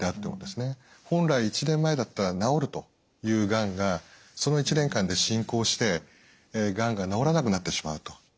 本来１年前だったら治るというがんがその１年間で進行してがんが治らなくなってしまうと。